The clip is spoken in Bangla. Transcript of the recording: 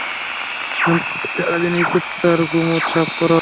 এখন সারাদিন এই কুত্তার গু-মুত সাফ করো।